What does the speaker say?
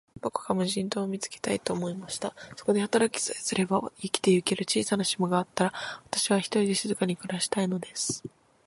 どこか無人島を見つけたい、と思いました。そこで働きさえすれば、生きてゆける小さな島があったら、私は、ひとりで静かに暮したいのです。